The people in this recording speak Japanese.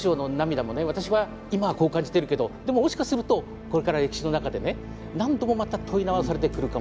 私は今はこう感じてるけどでももしかするとこれから歴史の中でね何度もまた問い直されてくるかもしれない。